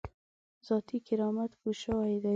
ذاتي کرامت پوه شوی دی.